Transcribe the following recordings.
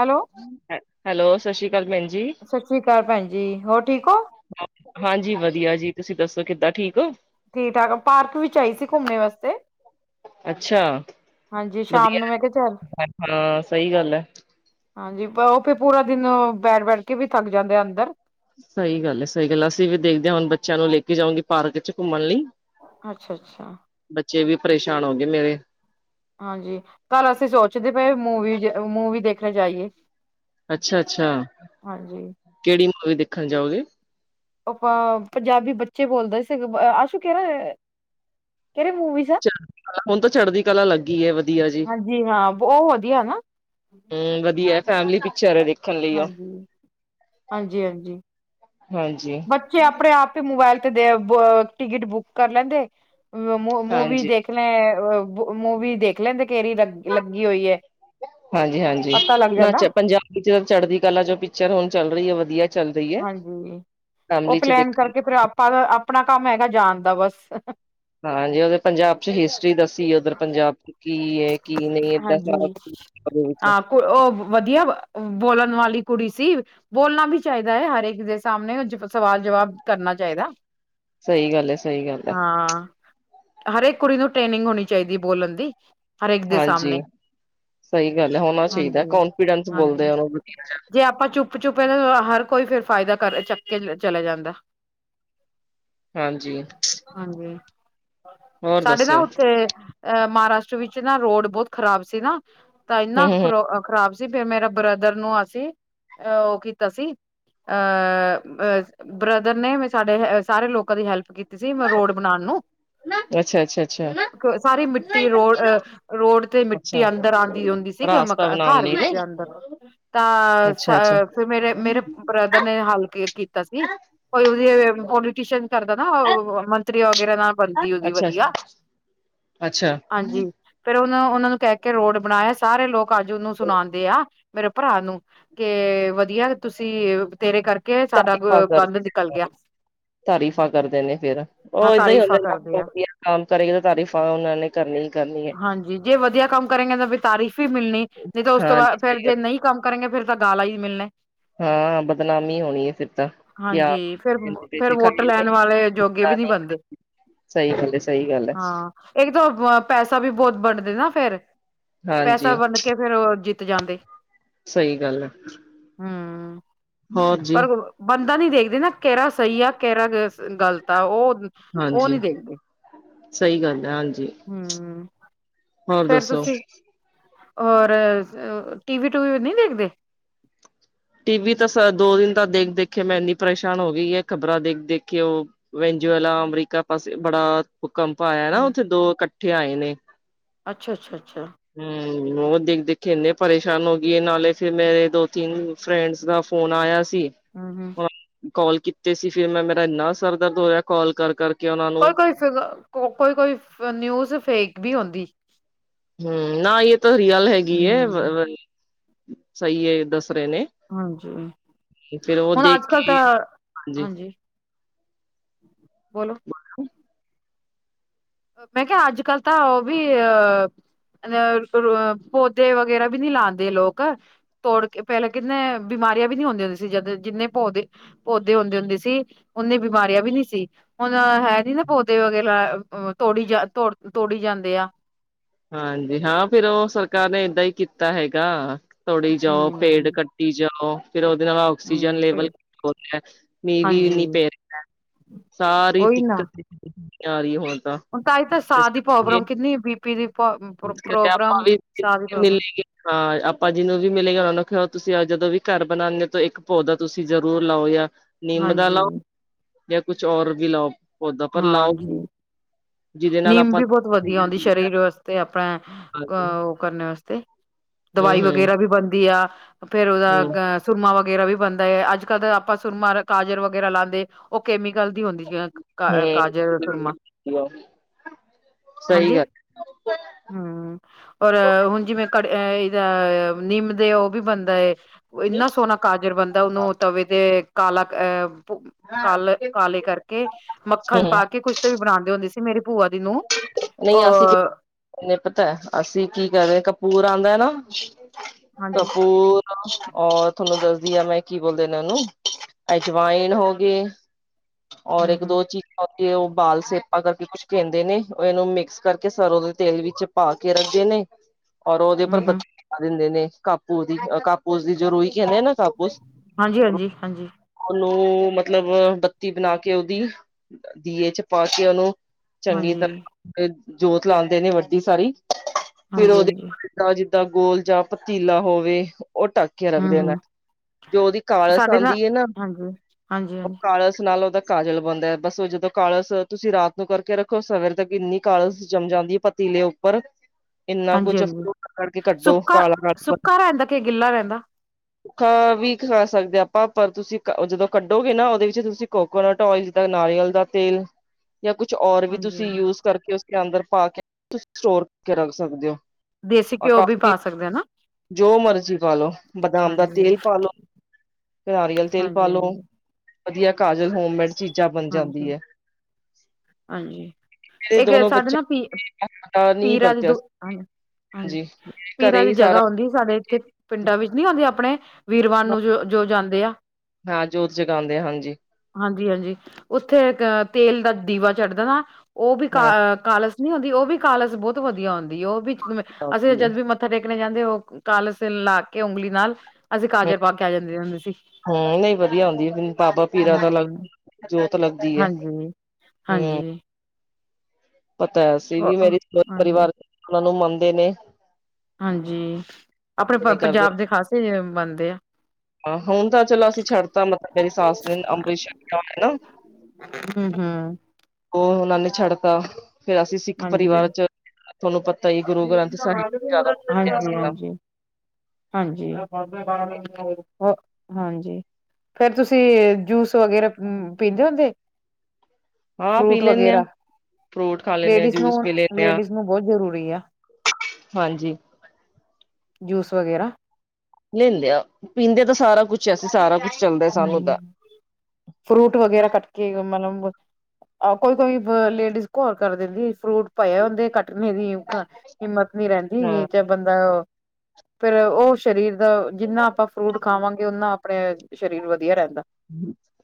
Hello hello ਸਤਿ ਸ਼੍ਰੀ ਅਕਾਲ ਜੀ ਭੈਂਜੀ, ਸਤਿ ਸ੍ਰੀ ਅਕਾਲ ਭੈਣ ਜੀ ਹੋਰ ਠੀਕ ਹੋ ਹਾਂਜੀ ਵਧੀਆ ਜੀ। ਤੁਸੀਂ ਦੱਸੋ ਕਿੱਦਾਂ ਠੀਕ ਹੋ। ਠੀਕ-ਠਾਕ, ਪਾਰਕ ਵਿੱਚ ਆਈ ਸੀ ਘੁੰਮਣ ਵਾਸਤੇ। ਅੱਛਾ, ਹਾਂਜੀ ਸ਼ਾਮ ਵਧਿਆ ਨੂੰ ਮੈਂ ਕਿਹਾ ਚੱਲ ਹੈ ਸਹੀ ਗੱਲ ਏ। ਹਾਂਜੀ, ਉਹ ਫੇਰ ਪੂਰਾ ਦਿਨ ਬੈਠ-ਬੈਠ ਕੇ ਵੀ ਥੱਕ ਜਾਂਦੇ ਆ ਅੰਦਰ। ਸਹੀ ਗੱਲ ਏ, ਸਹੀ ਗੱਲ ਏ ਅਸੀਂ ਵੀ ਦੇਖਦੇ ਹਾਂ ਹੁਣ ਬੱਚਿਆਂ ਨੂੰ ਲੈ ਕੇ ਜਾਊਗੀ ਪਾਰਕ ਚ ਘੁੰਮਣ ਲਈ। ਅੱਛਾ-ਅੱਛਾ। ਬੱਚੇ ਵੀ ਪਰੇਸ਼ਾਨ ਹੋ ਗਏ ਮੇਰੇ। ਹਾਂਜੀ, ਕੱਲ ਅਸੀਂ ਸੋਚਦੇ ਪਏ ਮੂਵੀ-ਮੂਵੀ ਦੇਖਣ ਜਾਈਏ। ਅੱਛਾ-ਅੱਛਾ, ਹਾਂਜੀ ਕਿਹੜੀ ਮੂਵੀ ਦੇਖਣ ਜਾਓਗੇ? ਆਪਾਂ, ਪੰਜਾਬੀ ਬੱਚੇ ਬੋਲਦੇ ਸੀ ਆਸ਼ੂ ਕਿਹੜਾ? ਕਿਹਰੀ ਮੂਵੀਜ਼? ਚੜ੍ਹਦੀ ਹੁਣ ਤੋ, ਚੜ੍ਹਦੀ ਕਲਾ ਲੱਗੀ ਏ ਵਧੀਆ ਜੀ, ਹਾਂਜੀ ਹਾਂ ਉਹ ਵਧੀਆ ਨਾ ਹੂੰ ਵਧੀਆ ਏ। ਫੈਮਿਲੀ ਪਿਕਚਰ ਹੇ। ਹਾਂਜੀ- ਹਾਂਜੀ, ਹਾਂਜੀ ਹਾਂਜੀ ਬੱਚੇ ਆਪਣੇ ਆਪ ਤੇ, ਮੋਬਾਇਲ ਬ ਟਿਕਟ ਬੁੱਕ ਕਰ ਲੈਂਦੇ ਮੂ-ਮੂਵੀ ਹਾਂਜੀ ਦੇਖ ਲੈ ਬ ਮੂਵੀ ਦੇਖ ਲੈਂਦੇ ਕਿਹਰੀ ਲੱ ਲੱਗੀ ਹੋਈ ਏ। ਹਾਂਜੀ- ਹਾਂਜੀ ਨਾ'ਚ ਪੰਜਾਬੀ'ਚ ਚੜ੍ਹਦੀ ਕਲਾ ਜੋ ਪਿਕਚਰ ਹੁਣ ਚੱਲ ਰਹੀ ਏ ਵਧੀਆ। ਚੱਲ ਰਹੀ ਹੈ ਹਾਂਜੀ। ਉਹ ਫੈਮਲੀ ਚ ਪਲੈਨ ਦੇਖ ਕਰਕੇ ਫਿਰ, ਆਪਾਂ ਆਪਣਾ ਕੰਮ ਹੈਗਾ ਜਾਨ ਦਾ ਬਸ ਹਾਂ, ਜੇ ਉਹਦੇ ਪੰਜਾਬ'ਚ ਹਿਸਟਰੀ ਦੱਸੀ ਏ, ਉਧਰ ਪੰਜਾਬ ਕੀ, ਏ ਕੀ ਨਹੀਂ, ਏਦਾਂ ਹਾਂਜੀ ਸਬ। ਹਾਂ। ਕੁ ਉਹ ਵਧੀਆ, ਵ ਬੋਲਣ ਵਾਲੀ ਕੁੜੀ ਸੀ। ਬੋਲਣਾ ਵੀ ਚਾਹੀਦਾ ਏ ਹਰੇਕ ਦੇ ਸਾਹਮਣੇ, ਜ ਸਵਾਲ-ਜਵਾਬ ਕਰਨਾ ਚਾਹੀਦਾ। ਸਹੀ ਗੱਲ ਏ, -ਸਹੀ ਗੱਲ ਹੈ। ਹਾਂ ਹਰੇਕ ਕੁੜੀ ਨੂੰ ਟ੍ਰੇਨਿੰਗ ਹੋਣੀ ਚਾਹੀਦੀ ਏ ਬੋਲਣ ਦੀ, ਹਰੇਕ ਦੇ ਹਾਂਜੀ ਸਾਮਨੇ। ਸਹੀ ਗੱਲ ਹੈ ਹੋਣਾ ਚਾਹੀਦਾ ਹਾਂਜੀ- ਕਨਫੀਡੈਂਸ ਬੋਲਦੇ ਹਾਂਜੀ, ਉਹਨੂੰ ਜੇ ਆਪਾਂ ਚੁੱਪ-ਚੁੱਪ ਹੈਨਾ। ਹਰ ਕੋਈ ਫਿਰ ਫਾਇਦਾ ਕਰ ਚੱਕ ਕੇ ਚਲੇ ਜਾਂਦਾ। ਹਾਂਜੀ ਹਾਂਜੀ। ਹੋਰ ਸਾਡੇ ਨਾ ਦੱਸਿਓ ਉੱਥੇ ਅਹ ਮਹਾਰਾਸ਼ਟਰ ਵਿੱਚ ਨਾ ਰੋਡ ਬਹੁਤ ਖ਼ਰਾਬ ਸੀ ਨਾ। ਤਾਂ ਇੰਨਾ ਹਮ ਹਮ ਖਰੋ ਖ਼ਰਾਬ ਸੀ ਫਿਰ ਮੇਰਾ ਬ੍ਰਦਰ ਨੂੰ ਅਸੀਂ ਉਹ ਕੀਤਾ ਸੀ ਅ ਬ੍ਰਦਰ ਨੇ ਮ ਸਾਡੇ ਸਾਰੇ ਲੋਕਾਂ ਦੀ ਹੈਲਪ ਕੀ ਸੀਂ, ਮਰੋਡ ਬਣਾਣ ਨੂੰ ਅੱਛਾ ਅੱਛਾ ਅੱਛਾ, ਹਨ ਸਾਰੇ ਮਿੱਟੀ ਰੋਡ ਰੋਡ ਤੇ, ਅੱਛਾ ਮਿੱਟੀ ਅੰਦਰ ਆਂਦੀ ਹੁੰਦੀ ਸੀ, ਰਾਸਤਾ ਬਣਾਉਣ ਘਰ ਲਈ ਨੇ ਵਿੱਚ ਤਾਂ, ਅੱਛਾ ਅੱਛਾ ਫਿਰ ਮੇਰੇ ਬ੍ਰਦਰ ਨੇ, ਹਲਕੀਰ ਕੀਤਾ ਸੀ। ਕਰਦਾ ਨਾ ਮੰਤਰੀ ਵਗੈਰਾ ਨਾਲ ਬਣਦੀ ਉਹਦੀ ਅੱਛਾ ਵਧੀਆ। ਅੱਛਾ। ਹਾਂਜੀ ਫੇਰ ਉਹ ਉਹਨਾਂ ਨੂੰ ਕਹਿ ਕੇ, ਰੋਡ ਬਣਾਇਆ ਸਾਰੇ ਲੋਕ ਅੱਜ ਨੂੰ ਸੁਣਾਂਦੇ ਆ ਮੇਰੇ ਭਰਾ ਨੂੰ ਕਿ ਵਧੀਆ। ਤੁਸੀਂ ਤੇਰੇ ਕਰਕੇ, ਸਾਡਾ ਗ--ਗੰਨ ਨਿਕਲ ਗਿਆ। ਤਾਰੀਫਾ ਕਰਦੇ ਨੇ ਫੇਰ, ਹਾਂ ਉਹ ਇਦਾਂ ਹੀ ਹੁੰਦੇ ਤਾਰੀਫ਼ਾਂ ਕਰਦੇ ਆ ਆਮ ਸਾਰੇ ਹਾਂਜੀ। ਜੇ ਵਧੀਆ ਕੰਮ ਕਰੇਗੇ ਤਾਰੀਫ ਵੀ ਮਿਲਣੀ ਨਹੀਂ ਤਾਂ, ਉਸ ਤੋਂ ਹਾਂਜੀ ਬਾਅਦ ਸਹੀ ਫਿਰ, ਗੱਲ ਜੇ ਨਹੀਂ ਕੰਮ ਕਰੇਗੇ ਫਿਰ ਗਾਲਾਈ ਮਿਲਣੇ ਹਾਂ ਬਦਨਾਮੀ ਹੋਣੀ ਹੈ ਫਿਰ ਤਾਂ ਕਿਆ ਹਾਂਜੀ, ਕਹਿੰਦੇ ਪਏ ਫਿਰ-ਫਿਰ ਸੀ ਵੋਟਰ ਖਾਈ ਨੇ ਲੈਣ ਵਾਲੇ ਜੋਗੇ ਵੀ ਨਹੀਂ ਖਾਣੀ ਬਨਦੇ ਸਹੀ ਗੱਲ ਹੈ ਸਹੀ ਗੱਲ ਹੈ ਹਾਂ। ਇਕ ਦੋ ਪੈਸਾ ਵੀ ਬਹੁਤ ਬਡਦੇ ਨਾ ਫਿਰ ਪੈਸਾ ਹਾਂਜੀ ਵੰਡ ਕੇ, ਫਿਰ ਜਿੱਤ ਜਾਂਦੇ। ਸਹੀ ਗੱਲ ਐ। ਹੂੰ ਪਰ, ਬੰਦਾ ਨਹੀਂ ਦੇਖਦੇ ਨਾ ਕੇਰਾ ਸਹੀ ਆ, ਕੇਰਾ ਗਲਤ ਆ, ਉਹ ਹਾਂਜੀ ਨਹੀਂ ਦੇਖਦੇ ਸਹੀ ਹਾਂਜੀ। ਹੋਰ ਫਿਰ ਦੱਸੋ ਤੁਸੀ, ਔਰ ਟੀਵੀ-ਟੂਵੀ ਨਹੀਂ ਦੇਖਦੇ? ਟੀਵੀ ਤਾ, ਸ ਦੋ-ਦਿਨ ਤਾਂ ਦੇਖ-ਦੇਖਕੇ ''ਮੈਂ ਏਨੀ ਪਰੇਸ਼ਾਨ ਹੋ ਗਈ ਏ, ਖਬਰਾਂ ਦੇਖ-ਦੇਖਕੇ ਓ--ਵੇਂ ਜਵੇਲਾ ਅਮਰੀਕਾ ਪਾਸੇ ਬੜਾ ਭੁਕੰਪ ਆਇਆ ਨਾ, ਹਾਂਜੀ। ਉਥੇ ਦੋ ਇਕੱਠੇ ਆਏ ਨੇ। ਅੱਛਾ, ਅੱਛਾ, ਅੱਛਾ। ਉਹ ਦੇਖ ਦੇਖਕੇ ਇਨੇ ਪਰੇਸ਼ਾਨ ਹੋ ਗਈ, ਨਾਲੇ ਫਿਰ ਮੇਰੇ ਦੋ-ਤਿੰਨ ਫਰੈਂਡਸ ਦਾ ਫੋਨ ਆਇਆ ਸ ਹੂੰ, ਹੂੰ ਕੌਲ ਕੀਤੇ ਸੀ, ਫਿਰ ''ਮੈਂ ਮੇਰਾ ਨਾ ਸਰਦਰਦ ਹੋਇਆ ਕੌਲ ਕਰ ਕਰ ਕੋਈ- ਕੋਈ ਨਿਊਜ਼ ਫੇਕ ਵੀ ਹੁੰਦੀ। ਨਾ ਇਹ ਤਾਂ ਰਿਅਲ ਹੈਗੀ ਹ ਹੂੰ ਸਹੀ ਹ ਹਾਂਜੀ ਫਿਰ ਉਹ ਹੁਣ ਦੇਖ ਅੱਜ ਕੱਲ ਕੇ ਤਾਂ ਹਾਂਜੀ ਬੋਲੋ ਮੈਂ ਕਿਹਾ ਅੱਜ ਕੱਲ ਤਾਂ ਉਹ ਵੀ ਪੌਦੇ ਵਗੈਰਾ ਵੀ ਨਹੀਂ ਲਾਉਂਦੇ ਲੋਕ ਤੋੜ ਪਹਿਲਾਂ ਕਿੰਨੇ ਆਰਿਆ ਵੀ ਨਹੀਂ ਆਉਂਦੀਆਂ ਸੀ ਜਦ ਜਿੰਨੇ ਭਉਦੇ ਪੌਦੇ ਹੁੰਦੇ ਸੀ ਉਹਨੇ ਬਿਮਾਰੀਆਂ ਵੀ ਨਹੀਂ ਸੀ ਹੈ ਨੀ ਨਾ ਪੌਦੇ ਵਗੇ ਤੋੜੀ ਤੋੜੀ ਜਾਂਦੇ ਆ ਹਾਂਜੀ ਹਾਂ ਫਿਰ ਉਹ ਸਰਕਾਰ ਨੇ ਇਦਾਂ ਹੀ ਕੀਤਾ ਹੈਗਾ ਤੋੜੀ ਜਾਓ ਪੇਡ ਹਮ ਕੱਟੀ ਜਾਓ ਫਿਰ ਉਹਦੇ ਨਾਲ ਆਕਸੀਜਨ ਹਮ ਲੈਵਲ ਹਾਂਜੀ [unintelligible] ਸਾਰੀ ਉਹੀ ਨਾ ਦਿੱਕਤ ਨਹੀਂ ਆ ਰਹੀ ਹੁਣ ਤਾਂ ਹੁਣ ਤਾਂ ਸਾਹ ਇਸ ਦੀ ਕਰਕੇ ਪ੍ਰੋਬਲਮ ਕਿੰਨੀ ਬੀਪੀ ਦੀ ਆਪਾਂ ਪ੍ਰੋਬਲਮ ਵੀ ਸਾਹ ਦੀ ਪ੍ਰੋਬਲਮ ਮਿਲੇਗੇ ਆਪਾਂ ਜਿਹਨੂੰ ਵੀ ਮਿਲੇਗਾ ਉਨੂੰ ਕਹੋ ਤੁਸੀਂ ਤੇ, ਅੱਜ ਜਦੋਂ ਵੀ ਘਰ ਬਣਾਂਦੇ ਤੋ, ਇੱਕ ਪੌਦਾ ਤੁਸੀਂ ਜਰੂਰ ਲਾਓ, ਜਾ ਨੀਮ ਦਾ ਹਾਂਜੀ ਲਾਓ ਯਾ ਕੁਝ ਔਰ ਵੀ ਲਾਓ, ਪੌਦਾ ਪਰ ਲਾਓ ਜਿਹਦੇ ਨਾਲ ਨੀਮ ਆਪਾਂ ਵੀ ਬਹੁਤ ਹੂੰ ਵਧੀਆ ਹੋਂਦੀ ਸ਼ਰੀਰ ਵਾਸਤੇ, ਆਪਣਾ ਓ--ਕਰਨ ਵਾਸਤੇ। ਹੂੰ ਦਵਾਈ ਹੂੰ ਵਗੈਰਾ ਵੀ ਬਣਦੀ ਆ, ਫਿਰ ਹੂੰ ਉਹਦਾ ਸੁਰਮਾ ਵਗੈਰਾ ਵੀ ਬੰਦਾ ਅੱਜਕੱਲ ਆਪਾਂ ਸੁਰਮਾ, ਕਾਜਰ ਵਗੈਰਾ ਲਾਂਦੇ ਉਹ ਕੇਮੀਕ ਜਲਦੀ ਹੋਂਦੀ ਕਾਜਰ, ਸੂਰਮਾ ਸਹੀ ਗੱਲ। ਹੰ, ਔਰ ਹੁਣ ਜਿਵੇਂ ਕੜ ਆ, ਇਹਦਾ ਨੀਮਦੇ ਉਹ ਵੀ ਬਨਦਾਏ, ਓ ਇਨਾ ਸੋਹਣਾ ਕਾਜਰ ਬੰਨਦਾ ਉਹਨੂੰ ਤਵੇ ਤੇ ਕਾਲਾ ਅਹ ਕਾਲੇ ਕਾਲੇ ਕਰਕੇ ਮੱਖਣ ਹੂੰ ਪਾ ਕੇ ਕੁਛ ਤੇ ਵੀ ਬਣਾਉਂਦੇ ਹੁੰਦੀ ਸੀ ਮੇਰੀ ਭੂਆ ਦੀ ਨੂੰਹ ਨਹੀਂ ਅ ਅਸੀਂ ਪਤਾ ਅਸੀਂ ਕੀ ਕਰ ਰਹੇ ਕਪੂਰ ਆਉਂਦਾ ਹਾਂਜੀ ਕਪੂਰ ਹਾਂ ਓ ਤੁਹਾਨੂੰ ਦੱਸਦੀ ਆ ਮੈਂ ਕੀ ਬੋਲਦੇ ਨੂੰ ਅਜਵਾਇਨ ਹੋ ਗਇ ਔਰ ਹਮ ਇੱਕ ਹਮ ਦੋ ਚੀਜ਼ਾਂ [unintelligible] ਦੇ ਨੇ ਇਹਨੂੰ ਮਿਕਸ ਕਰਕੇ ਸਰੋਂ ਦੇ ਤੇਲ ਵਿੱਚ ਪਾ ਕੇ ਰੱਖਦੇ ਨੇ ਔਰ ਉਹਦੇ ਉੱਪਰ ਹਮ ਹਮ ਬਤ ਪਾ ਦਿੰਦੇ ਨੇ ਕਾਪੂਜ਼ ਦੀ ਕਾਪੂਜ਼ ਦੀ ਜੋ ਰੁਈ ਕਹਿੰਦੇ ਨੇ ਨਾ ਕਾਪੂਸ ਹਾਂਜੀ ਹਾਂਜੀ ਹਾਂਜੀ ਉਹ ਮਤਲਬ ਬੱਤੀ ਬਣਾ ਕੇ ਉਹਦੀ ਦੀਏ ਚ ਪਾ ਕੇ ਉਹਨੂੰ ਚੰਗੀ ਹਾਂਜੀ, ਤਰ੍ਹਾਂ ਜੋਤ ਲਾਉਂਦੇ ਨੇ ਵੱਡੀ ਸਾਰੀ ਫਿਰ ਹਾਂਜੀ, ਉਹਦੇ ਹਾਂਜੀ, ਜਿਦਾ ਦਾ ਗੋਲ ਜਾਂ ਪਤੀਲਾ ਹੋਵੇ ਉਹ ਟੱਕ ਕੇ ਹੂੰ, ਰੱਖਦੇ ਨੇ ਹੂੰ ਜੋ ਉਹਦੀ ਕਾਲਸ ਸਾਡੇ ਆਉਂਦੀ ਹੈ ਨਾ ਹਾਂਜੀ, ਹਾਂਜੀ, ਉਹ ਹਾਂਜੀ, ਕਾਲਸ ਨਾਲ ਉਹਦਾ ਕਾਜਲ ਬਣਦਾ ਬਸ ਜਦੋਂ ਕਾਲਸ ਤੁਸੀਂ ਰਾਤ ਨੂੰ ਕਰਕੇ ਰੱਖ ਦੇੋ ਸਵੇਰ ਤੱਕ ਇੰਨੀ ਕਾਲਸ ਜੰਮ ਜਾਂਦੀ ਪਤੀਲੇ ਉੱਪਰ ਇੰਨਾ ਹਾਂਜੀ, ਕੁਛ ਹਾਂਜੀ [unintelligible] ਕਰਕੇ ਕੱਢੋ ਸੁੱਕਾ ਕਾਲਾ ਰੱਤਬ ਸੁੱਕਾ ਰਹਿੰਦਾ ਕਿ ਗਿੱਲਾ ਰਹਿੰਦਾ? ਭੱਖਾ ਵੀ ਖਾ ਸਕਦੇ ਹ ਆਪਾਂ ਪਰ ਤੁਸੀਂ ਜਦੋਂ ਕੱਢੋਗੇ ਨਾ ਉਹਦੇ ਵਿੱਚ ਤੁਸੀਂ ਕੋਕੋਨਟ ਓਇਲ ਜਿੱਦਾਂ ਨਾਰੀਅਲ ਦਾ ਤੇਲ ਜਾਂ ਕੁਛ ਔਰ ਵੀ ਹਾਂਜੀ, ਤੁਸੀਂ ਹਾਂਜੀ ਯੂਜ ਕਰਕੇ ਉਸ ਅੰਦਰ ਪਾ ਕੇ ਤੁਸੀਂ ਸਟੋਰ ਕਰਕੇ ਰੱਖ ਸਕਦੇ ਹੋ ਦੇਸੀ ਔਰ ਘਿਓ ਵੀ ਕਾਫੀ ਪਾ ਸਕਦੇ ਨਾ ਜੋ ਮਰਜ਼ੀ ਪਾ ਲੋ ਬਦਾਮ ਦਾ ਹਾਂਜੀ, ਤੇਲ ਪਾਲੋ ਕਿ ਨਾਰੀਅਲ ਤੇਲ ਹਾਂਜੀ, ਪਾਲੋ ਹਾਂਜੀ, ਵਧੀਆ ਕਾਜਲ ਹੋਮਮੇਡ ਚੀਜ਼ਾਂ ਬਣ ਜਾਂਦੀ ਹਾਂਜੀ, ਹੈ ਹਾਂਜੀ ਮੇਰੇ ਇੱਕ ਦੋਨੋ ਸਾਡੇ ਨਾ ਬੱਚਿਆਂ ਪੀ ਨੇ ਆਟਾ ਨਹੀਂ ਪੀਰਾ ਵਰਤਿਆ ਜਦੋਂ ਸੀ ਹਾਂਜੀ ਹਾਂਜੀ ਘਰੇ ਪੀਰਾਂ ਦੀ ਹੀ ਜਗ੍ਹਾ ਸਾਰਾ ਆਉਂਦੀ ਸਾਡੇ ਇੱਥੇ ਪਿੰਡਾਂ ਵਿੱਚ ਨੀ ਆਉਂਦੀ ਆਪਣੇ ਵੀਰਵਾਨ ਨੂੰ ਜੋ ਜੋ ਜਾਂਦੇ ਆ ਹਾਂ ਜੋਤ ਜਗਾਉਂਦੇ ਆ ਹਾਂਜੀ ਹਾਂਜੀ ਹਾਂਜੀ ਉੱਥੇ ਇਕ ਤੇਲ ਦਾ ਦੀਵਾ ਚੜ੍ਹਦਾ ਨਾ ਉਹ ਵੀ ਕਾ ਹਾਂ ਕਾਲਸ ਨਹੀਂ ਹੁੰਦੀ ਉਹ ਵੀ ਕਾਲਸ ਬਹੁਤ ਵਧੀਆ ਹੁੰਦੀ ਉਹ ਵੀ ਅਸੀਂ ਜਦ ਵੀ ਮੱਥਾ ਟੇਕ ਮੱਥਾ ਟੇਕਣੇ ਜਾਂਦੇ ਉਹ ਕਾਲਸ ਤੇ ਲਾ ਕੇ ਉਂਗਲੀ ਨਾਲ ਅਸੀਂ ਕਾਜਲ ਪਾ ਕੇ ਆ ਜਾਂਦੇ ਹੁੰਦੇ ਸੀ। ਹੂੰ ਨਹੀਂ ਵਧੀਆ ਹੁੰਦੀ ਹੈ ਬਾਬਾ ਪੀਰਾ ਦਾ ਲੱਗ ਹਮ-ਹਮ। ਜੋਤ ਲੱਗਦੀ ਹੈ ਹਾਂਜੀ-ਹਾਂਜੀ। ਬਤਾਇਆ ਸੀ, ਵੀ [unintelligible] ਮੇਰੇ ਪਰ ਹਾਂਜੀ ਪਰਿਵਾਰ ਉਹਨਾਂ ਨੂੰ ਮੰਨਦੇ ਨੇ। ਹਾਂਜੀ, ਆਪਣੇ ਪਣ ਨਹੀਂ ਕਰਦੇ ਪੰਜਾਬ ਦੇ ਖਾਸੇ ਜਿਵੇਂ ਮੰਨਦੇ ਆ। ਹਾਂ ਹੁਣ ਤਾਂ ਚਲੋ ਅਸੀਂ ਛੱਡਤਾ, ਮਤਲਬ ਮੇਰੀ ਸਾਸ ਨੇ ਅੰਮ੍ਰਿਤ ਛੱਕਿਆ ਹੋਇਆ ਨਾ। ਹਮ। ਉਹ ਉਹਨਾਂ ਨੇ ਛੱਡਤਾ, ਫਿਰ ਅਸੀਂ ਸਿੱਖ ਹਾਂਜੀ ਪਰਿਵਾਰ ਚ ਤੁਹਾਨੂੰ ਪਤਾ ਹੀ ਗੁਰੂ ਗ੍ਰੰਥ ਸਾਹਿਬ ਹਾਂਜੀ ਜ਼ਿਆਦਾ ਮੰਨਦੇ ਹਾਂ ਅਸੀਂ ਤਾਂ। ਹਾਂਜੀ ਹਾਂਜੀ, ਹੋ ਹਾਂਜੀ ਫੇਰ ਤੁਸੀਂ ਜੂਸ ਵਗੈਰਾ ਪੀਂਦੇ ਹੁੰਦੇ? ਹਾਂ ਪੀ ਫਰੂਟ ਲੈਣੇ ਹਾਂ, ਵਗੈਰਾ ਫਰੂਟ ਖਾ ਲੇ। ਲੇਡੀਜ਼ ਨੂੰ, ਲੇਡੀਜ਼ ਨੂੰ ਬਹੁਤ ਜ਼ਰੂਰੀ ਆ। ਹਾਂਜੀ ਜੂਸ ਵਗੈਰਾ ਲੈਂਦੇ ਆ ਪੀਂਦੇ ਤਾਂ ਸਾਰਾ ਕੁਛ ਅਸੀਂ ਸਾਰਾ ਕੁਛ ਚੱਲਦਾ ਸਾਨੂੰ ਤਾਂ ਫਰੂਟ ਵਗੈਰਾ ਕੱਟ ਕੇ ਮਤਲਬ ਆਹੋ ਕੋਈ ਕੋਈ ਪ ਲੇਡੀਜ਼ ਘੋਰ ਕਰ ਦਿੰਦੀ ਫਰੂਟ ਪਏ ਹੁੰਦੇ ਕੱਟਣੇ ਦੀ ਹਿਕਾ ਹਿੰਮਤ ਨੀ ਹਾਂ ਰਹਿੰਦੀ ਜਾਂ ਬੰਦਾ ਔ ਫਿਰ ਉਹ ਸਰੀਰ ਦਾ ਜਿੰਨਾ ਆਪਾਂ ਫਰੂਟ ਖਾਵਾਂਗੇ ਉਣਾ ਆਪਣੇ ਸ਼ਰੀਰ ਵਧੀਆ ਰਹਿੰਦਾ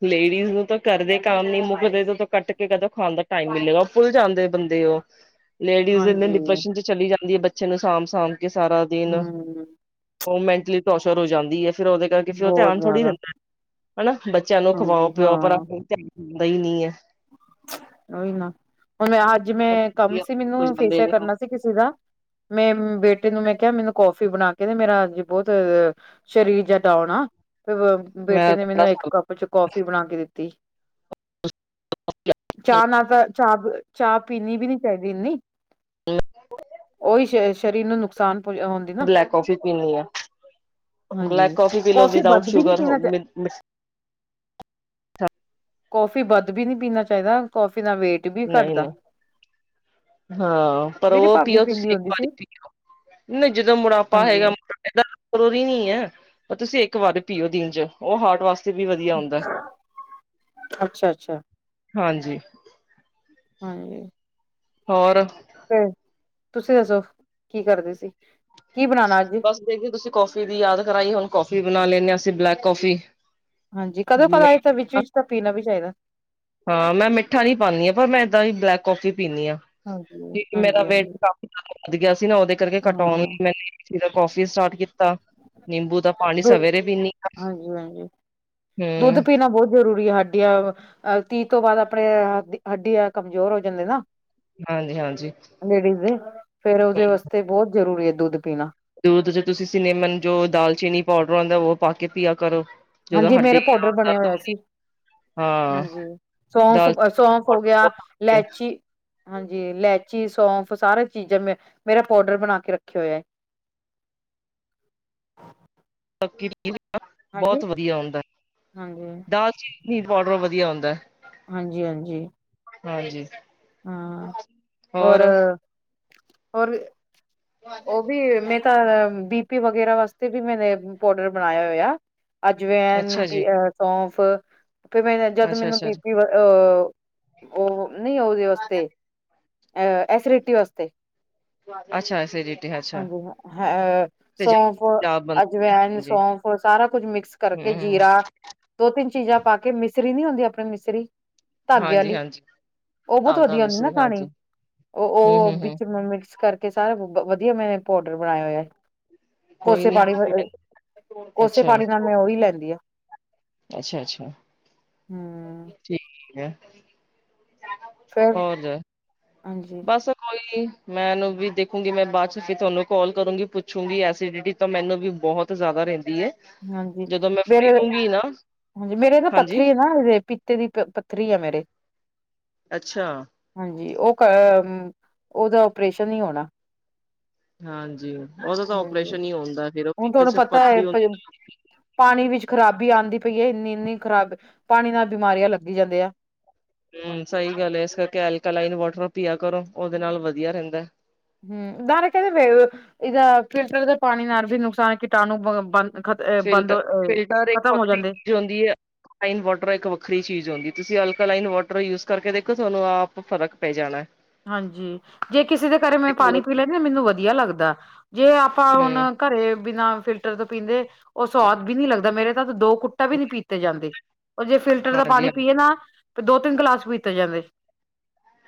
ਲੇਡੀਜ਼ ਨੂੰ ਤਾਂ ਕਰਦੇ ਕੰਮ ਨੀ ਮੁੱਕਦੇ ਤੁਟੈ ਕੱਟ ਕੇ ਕਦੋਂ ਖਾਣ ਦਾ ਟਾਈਮ ਮਿਲੇਗਾਲ ਫੁਲਜਾ ਜਾਂਦੇ ਬੰਦੇ ਉਹ। ਲੇਡੀਜ਼ ਇਨੇ ਹਾਂਜੀ ਡਿਪ੍ਰੈਸ਼ਨ ਚ ਚਲੀ ਜਾਂਦੀ ਹੈ ਬੱਚੇ ਨੂੰ ਸਾਂਭ-ਸਾਂਭ ਕੇ ਸਾਰਾ ਦਿਨ। ਹਮ ਉਹ ਮੈਂਟਲੀ ਟੋਰਚਰ ਹੋ ਜਾਂਦੀ ਹੈ, ਫੇਰ ਉਹਦੇ ਕਰਕੇ ਫਿਰ ਉਹ ਬਹੁਤ ਧਿਆਨ ਥੋੜ੍ਹੀ ਜ਼ਿਆਦਾ ਰਹਿੰਦਾ ਏ। ਬੱਚਿਆਂ ਨੂੰ ਖਵਾਓ ਹਾਂਜੀ ਪਿਆਓ, ਪਰ ਹਾਂ ਅਪਣਾ ਧਿਆਨ ਹੁੰਦਾ ਹੀ ਨੀ ਹੈ। ਉਹੀ ਨਾ। ਹੁਣ ਮੈਂ ਅੱਜ ਮੈਂ ਹੈ ਕੰਮ ਸੀ ਮੈਨੂੰ ਹੋ ਜਾਂਦੇ ਫੇਸਿਆਲ ਨੇ ਕਰਨਾ ਸੀ ਕਿਸੇ ਦਾ, ਮੈਂ ਬੇ ਬੇਟੇ ਨੂੰ ਮੈਂ ਕਿਹਾ ਮੈਨੂੰ ਕੌਫੀ ਬਣਾ ਕੇ ਦੇ, ਮੇਰਾ ਅੱਜ ਬਹੁਤ ਸ਼ਰੀਰ ਜਿਹਾ ਡਾਓਨ ਆ। ਫ ਬੇਟੇ ਮੈਂ ਨੇ ਮੈਨੂੰ ਇੱਕ ਕੱਪ ਚ ਕੌਫੀ ਬਣਾ ਕੇ ਦਿੱਤੀ। ਚਾਹ ਨਾਲ ਤਾਂ ਚਾਹ ਬ ਚਾਹ ਪੀਣੀ ਵੀ ਨੀ ਚਾਹੀਦੀ ਇੰਨੀ। ਉਹੀ ਸ਼ ਸ਼ਰੀਰ ਨੂੰ ਨੁਕਸਾਨ ਪੁ ਹੁੰਦੀ ਨਾ ਬਲੈਕ ਕੌਫੀ ਪੀਣੀ ਹਾਂ। ਬਲੈਕ ਹਾਂਜੀ ਕੌਫੀ ਪੀ ਲਓ, ਵਿਦਾਊਟ ਵੱਧ ਵੀ ਨੀ ਸ਼ੂਗਰ ਪੀਣਾ ਚਾਹੀ ਕੌਫੀ ਵੱਧ ਵੀ ਨਹੀਂ ਪੀਣਾ ਚਾਹੀਦਾ, ਕੌਫ ਬੀ ਪੀ ਵੀ ਨਹੀਂ ਘੱਟਦਾ। ਨਹੀਂ ਹਾਂ ਪਰ ਮੇਰੀ ਉਹ ਭਾਬੀ ਪੀਓ, ਤੁਸੀਂ ਪੀਂਦੀ ਇੱਕ ਹੁੰਦੀ ਵਾਰੀ ਸੀ ਪੀਓ। ਨਹੀਂ ਜਦੋਂ ਮੋਟਾਪਾ ਹੈਗਾ ਹਾਂਜੀ [unintelligible] ਕਰੋਰੀ ਨਹੀਂ ਹੈ। ਪਰ ਤੁਸੀਂ ਇੱਕ ਵਾਰੀ ਪੀਓ ਦਿਨ ਚ, ਉਹ ਹਾਰਟ ਵਾਸ ਅੱਛਾ-ਅੱਛਾ। ਹਾਂਜੀ। ਹਾਏ। ਹੋਰ? ਤੇ ਤੁਸੀਂ ਦੱਸੋ ਕੀ ਕਰਦੇ ਸੀ? ਕੀ ਬਣਾਉਣਾ ਅੱਜ ਬਸ ਦੇਖ ਲੋ ਤੁਸੀਂ ਕੌਫੀ ਦੀ ਯਾਦ ਕਰਾਈ ਹੁਣ, ਕੌਫੀ ਬਣਾ ਲੈਂਣੇ ਹਾਂ, ਅਸੀਂ ਬਲੈਕ ਕੌਫੀ। ਹਾਂਜੀ ਕਦੋਂ ਕਦਾਏ ਤਾਂ ਵਿੱਚ-ਵਿਚ ਤਾਂ ਪੀਣਾ ਵੀ ਚਾਹੀਦਾ। ਹਾਂ ਮੈਂ ਮਿੱਠਾ ਨੀ ਪਾਉਂਣੀ ਹਾਂ, ਪਰ ਮੈਂ ਏਦਾਂ ਹੀ ਬਲੈਕ ਕੌਫੀ ਪੀਨੀ ਆ। ਹਾਂਜੀ, ਕਿਉਂਕਿ ਮੇਰਾ ਹਾਂਜੀ, ਵੇਟ ਹਾਂਜੀ ਕਾਫੀ ਵੱਧ ਗਿਆ ਸੀ ਨਾ, ਉਹਦੇ ਕਰਕੇ ਕਟਾਉਣ ਹਾਂ ਲਈ ਮ ਜੀਰਾ ਕੋਫੀ ਸਟਾਰਟ ਕੀਤਾ, ਨਿੰਬੂ ਦਾ ਪਾਣੀ ਦੋ ਸਵੇਰੇ ਪੀਂਣੀ ਆ। ਹਾਂਜੀ, ਹਾਂਜੀ ਦੁੱਧ ਹੂੰ ਪੀਣਾ ਬਹੁਤ ਜ਼ਰੂਰੀ ਹੈ ਹਾਡ ਹੱਡੀਆਂ ਅਹ ਤੀਹ ਤੋਂ ਬਾਅਦ ਆਪਣੇ ਹੱ ਹੱਡੀ ਆ ਕਮਜ਼ੋਰ ਹੋ ਜਾਂਦੇ ਨਾ। ਹਾਂਜੀ-ਹਾਂਜੀ ਲੇਡੀਜ਼ ਦੇ, ਫੇਰ ਉਹਦੇ ਵਾਸਤੇ ਬਹੁਤ ਜਰੂਰੀ ਹੈ ਦੁੱਧ। ਪੀਣਾ ਦੁਧ ਚ ਤੁਸੀਂ ਸਿਨੇਮਨ, ਜੋ ਦਾਲਚੀਨੀ ਪਾਊਡਰ ਆਉਂਦਾ ਉਹ ਪਾ ਕੇ ਪੀਆ ਕਰੋ। ਹਾਂਜੀ, ਮੇਰੇ ਪਾਊਡਰ ਬਣਿਆ ਹੋਇਆ ਸੀ। ਹਾਂ ਹਾਂਜੀ ਸੌਂਫ ਦਾਲ ਸੌਂਫ ਹੋ ਗਿਆ, ਇਲੈਚੀ ਹਾਂਜੀ, ਇਲੈਚੀ ਸੌਂਫ ਸਾਰਾ ਚੀਜ਼ਾਂ ਮ ਮੇਰਾ ਪਾਊਡਰ ਬਣਾ ਕੇ ਰੱਖਿਆ ਹੋਇਆ। [inaudible] ਹਾਂਜੀ ਬਹੁਤ ਵਧੀਆ ਹੁੰਦਾ ਹਾਂਜੀ ਦਾਲ ਚੀਨੀ ਪਾਊਡਰ ਵਧੀਆ ਹੁੰਦਾ। ਹਾਂਜੀ-ਹਾਂਜੀ। ਹਾਂਜੀ। ਹਾਂ ਹੋਰ ਹੋਰ-ਹੋਰ। ਉਹ ਵੀ ਮੈਂ ਤਾਂ ਬੀ ਪੀ ਵਗੈਰਾ ਵਾਸਤੇ ਵੀ ਮੈਨੇ ਪੋਡਰ ਬਣਾਇਆ ਹੋਇਆ। ਅਜਵੈਨ, ਅੱਛਾ ਜੀ ਸੌਫ ਤੇ ਮੈਂ ਜਦ ਅੱਛਾ ਮੈਨੂੰ ਅੱਛਾ ਬੀ ਪੀ ਅ ਉਹ ਨਹੀਂ। ਕਿਦੇ ਵਾਸਤੇ? ਏਹ ਐਸੀਡਿਟੀ ਵਾਸਤੇ। ਅੱਛਾ, ਐਸੀਡਿ ਹਾਂਜੀ ਅਹ ਸੌਫ, ਪੰਜਾਬ ਬਣਦੀ ਹੈ ਅਜਵੈਨ, ਹਾਂਜੀ ਸੌਂਫ ਸਾਰਾ ਕੁਝ ਮਿਕਸ ਕਰ ਕਿ ਹਮ ਜੀਰਾ, ਦੋ ਤਿੰਨ ਚੀਜ਼ਾਂ ਪਾ ਕੇ ਮਿਸਰੀ ਨੀ ਹੁੰਦੀ ਆਪਣੀ ਮਿਸਰੀ। ਧਾਗੇ ਵਾਲੀ ਹਾਂਜੀ-ਹਾਂਜੀ। ਉਹ ਬਹੁਤ ਵਧੀਆ ਹੁੰਦੀ ਨਾ ਖਾਣੀ, ਹਮ ਉਹ-ਉਹ ਹਮ ਹਮ ਵਿੱਚ ਮਿਕਸ ਕਰਕੇ ਸਾਰਾ ਵਧੀਆ ਮੈਂ ਪਾਊਡਰ ਬਣਾਇਆ ਹੋਇਆ। ਕੋਈ ਕੋਸੇ ਨੀ ਪਾਣੀ ਅ ਕੋਸੇ ਪਾਣੀ ਨਾਲ ਮੈਂ ਉਹੀ ਲੈਂਦੀ ਆ। ਅੱਛਾ-ਅੱਛਾ। ਹੂੰ, ਠੀਕ ਆ। ਫੇਰ ਹੋਰ ਜ ਹਾਂਜੀ, ਬਸ ਕੋਈ ਮੈਂਨੂੰ ਵੀ ਦੇਖੂੰਗੀ, ਮੈਂ ਬਾਅਦ ਚ ਤੁਹਾਨੂੰ ਕਾਲ ਕਰੂੰਗੀ ਪੁੱਛੂਗੀ। ਐਸੀਡਿਟੀ ਤੋਂ ਮੈਨੂੰ ਵੀ ਬਹੁਤ ਜ਼ਿਆਦਾ ਰਹਿੰਦੀ। ਹੈ ਹਾਂਜੀ ਜਦੋਂ ਮੈਂ ਫੇਰ ਫਰੀ ਰਹੂੰਗੀ ਨਾ ਹਾਂਜੀ ਮੇਰੇ ਨਾ ਹਾਂਜੀ ਪੱਥਰੀ ਆ ਨਾ ਇਹਦੇ ਪੀਤੇ ਦੀ ਪੱਥਰੀ ਆ ਮੇਰੇ ਅੱਛਾ ਹਾਂਜੀ, ਉਹ ਕ ਉਹਦਾ ਓਪਰੇਸ਼ਨ ਹੀ ਹੋਣਾ। ਹਾਂਜੀ। ਉਹਦਾ ਤਾਂ ਹਾਂ ਓਪਰੇਸ਼ਨ ਹੀ ਹੁੰਦਾ ਫਿਰ ਉਹ ਹੁਣ ਪਿੱਤ ਤੁਹਾਨੂੰ ਚ ਪਤਾ ਹੈ ਪੱਥਰੀ ਹੁੰਦੀ ਪਾਣੀ ਵਿੱਚ ਖ਼ਰਾਬੀ ਆਉਂਦੀ ਪਈਏ ਇੰਨੀ ਇੰਨੀ ਖ਼ਰਾਬ ਪਾਣੀ ਨਾਲ ਬਿਮਾਰੀਆਂ ਲੱਗੀ ਜਾਂਦੇ ਆ। ਹਮ ਸਹੀ ਗੱਲ ਹੈ ਇਸ ਕਰਕੇ ਅਲਕਲਾਈਨ ਵਾਟਰ ਪੀਆ ਕਰੋ, ਉਹਦੇ ਨਾਲ ਵਧੀਆ ਰਹਿੰਦਾ। ਹਮ ਦਾਰ ਕਹਦੇ ਇਹਦਾ ਫਿਲਟਰ ਦੇ ਪਾਣੀ ਨਾਲ ਵੀ ਨੁਕਸਾਨ ਕੀਟਾਣੂ ਬੰਦ ਖਤ ਬੰਦ ਫਿਲਟਰ ਫਿਲਟਰ ਇੱਕ ਖਤਮ ਹੋ ਵੱਖਰੀ ਜਾਂਦੇ। ਚੀਜ਼ ਹੁੰਦੀ ਐ। ਫਾਈਨ ਵਾਟਰ ਇੱਕ ਵੱਖਰੀ ਚੀਜ਼ ਹੁੰਂਦੀ, ਤੁਸੀਂ ਲ ਲਾਈਨ ਵਾਟਰ ਯੂਜ ਕਰਕੇ ਦੇਖੋ ਤੁਹਾਨੂੰ ਆਪ ਫ਼ਰਕ ਪੈ ਜਾਣਾ। ਹਾਂਜੀ, ਜੇ ਕਿਸੇ ਦੇ ਘਰੇ ਮੈਂ ਪਾਣੀ ਪੀ ਲੈਂਣੀ ਨਾ ਮੈਨੂੰ ਵਧੀਆ ਲੱਗਦਾ। ਜੇ ਆਪਾਂ ਹੁਣ ਹਮ ਘਰੇ ਬਿਨਾਂ ਫਿਲਟਰ ਤੋਂ ਪੀਂਦੇ ਉਹ ਸਵਾਦ ਵੀ ਨੀ ਲੱਗਦਾ। ਮੇਰੇ ਤਾਂ ਦੋ ਕੁੱਟਾ ਵੀ ਨੀ ਪੀਤੇ ਜਾਂਦੇ। ਉਹ ਜੇ ਫਿਲਟਰ ਦਾ ਪਾਣੀ ਹਾਂਜੀ ਪੀਏ ਨਾ ਤੇ ਦੋ ਤਿੰਨ ਗਿਲਾਸ ਪੀਤੇ ਜਾਂਦੇ।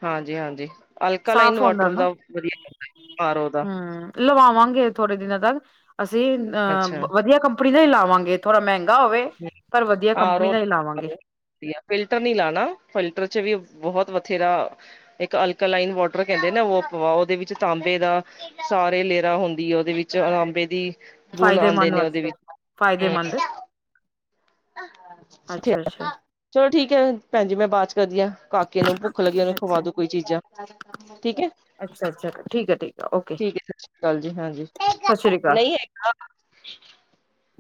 ਹਾਂਜੀ-ਹਾਂਜੀ, ਅਲਕਾਲਈਨ ਸਾਫ਼ ਹੁੰਦਾ ਵਾਟਰ ਨਾ। ਦਾ ਵਧੀਆ ਦਾ ਆ ਰਓ ਦਾ। ਹੂੰ ਲਵਾਵਾਂਗੇ ਥੋੜੇ ਦਿਨਾਂ ਤੱਕ ਅਸੀਂ ਅੱਛਾ ਅਹ ਵਧੀਆ ਕੰਪਨੀ ਦਾ ਹੀ ਲਾਵਾਂਗੇ, ਥੋੜ੍ਹਾ ਮਹਿੰਗਾ ਹੋਵੇ। ਪਰ ਵਧੀਆ ਆਰ ਕੰਪਨੀ ਓ ਦਾ ਹੀ ਲਾਵਾਂਗੇ। ਵਧੀਆ, ਫਿਲਟਰ ਨੀ ਲਾਣਾ। ਫਿਲਟਰ ਚ ਵੀ ਬਹੁਤ ਉੱਥੇ ਦਾ ਇੱਕ ਅਲਕਾਲਈਨ ਵਾਟਰ ਕਹਿੰਦੇ ਨਾ ਪਵਾ ਉਹਦੇ ਵਿੱਚ ਤਾਂਬੇ ਦਾ ਸਾਰੇ ਲੇ ਹੁੰਦੀ ਹੈ ਉਹਦੇ ਵਿੱਚ ਤਾਂਬੇ ਦੀ ਗੁਣ ਆਉਂਦੇ ਫਾਇਦੇਮੰਦ ਨੇ ਉਹਦੇ ਵਾਸਤੇ ਵਿੱਚ ਹਮ ਫਾਇਦੇਮੰਦ ਅੱਛਾ-ਅੱਛਾ। ਚਲੋ ਠੀਕ ਹੈ ਭੈਣ ਜੀ, ਮੈਂ ਬਾਅਦ ਚ ਕਰਦੀਆਂ ਕਾਕੇ ਨੂੰ ਭੁੱਖ ਲੱਗੀ ਉਹਨੂੰ ਖਵਾ ਦੋ ਕੋਈ ਚੀਜ਼ਾਂ, ਠੀਕ ਹੈ। ਅੱਛਾ-ਅੱਛਾ ਠੀਕ ਹੈ ਠੀਕ ਹੈ ਓਕੇ ਠੀਕ ਹੈ ਸਤਿ ਸ੍ਰੀ ਅਕਾਲ ਜੀ ਹਾਂਜੀ ਸਤਿ ਸ੍ਰੀ ਅਕਾਲ। ਨਹੀਂ [inaudible]